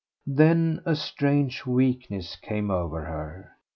Then a strange weakness came over her.